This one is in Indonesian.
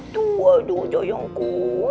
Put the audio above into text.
tuh aduh joyongku